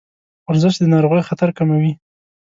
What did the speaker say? ورزش د ناروغیو خطر کموي.